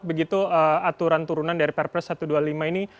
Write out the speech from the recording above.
begitu aturan turunan dari perpres satu ratus dua puluh lima ini